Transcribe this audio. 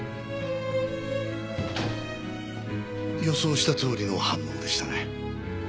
予想したとおりの反応でしたね。